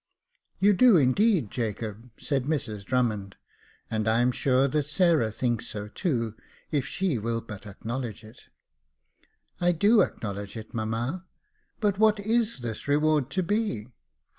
" You do, indeed, Jacob," said Mrs Drummond, '* and I am sure that Sarah thinks so too, if she will but acknow ledge it." " I do acknowledge it, mamma ; but what is this reward to be?"